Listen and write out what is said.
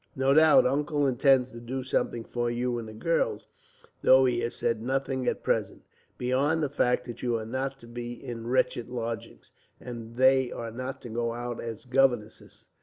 No doubt Uncle intends to do something for you and the girls, though he has said nothing at present, beyond the fact that you are not to be in wretched lodgings, and they are not to go out as governesses.